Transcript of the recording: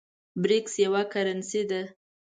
برېکس یوه کرنسۍ ده